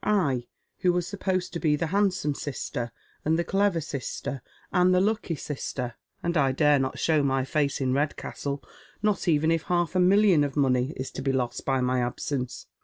I — who was supposed to be the handsome sister, and the clever sister, and the lucky sister 1 And I dare not show my face in Redcastle, not even if half a million of money is to be lost by my absence.